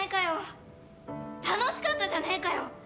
楽しかったじゃねえかよ。